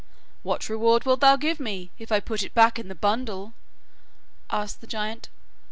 'What reward wilt thou give me if I put it back in the bundle?' asked the giant.